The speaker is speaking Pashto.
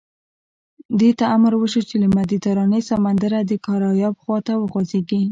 دې ته امر وشو چې له مدیترانې سمندره د کارائیب خوا ته وخوځېږي.